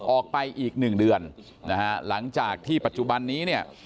ออกไปอีก๑เดือนหลังจากที่ปัจจุบันนี้เนี่ย